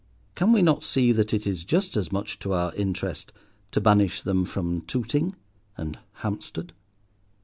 Can we not see that it is just as much to our interest to banish them from Tooting and Hampstead?